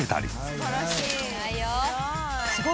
素晴らしい。